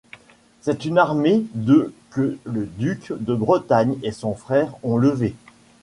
C'est une armée de que le duc de Bretagne et son frère ont levée.